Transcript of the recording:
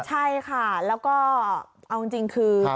ใช่ค่ะแล้วก็เอาจริงคือ